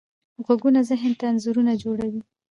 غږونه ذهن ته انځورونه جوړوي.